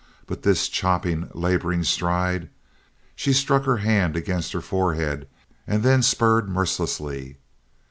But this chopping, laboring stride ! She struck her hand against her forehead and then spurred mercilessly.